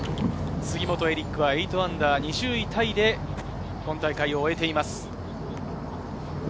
杉本エリックは−８、２０位タイで今大会を終えています。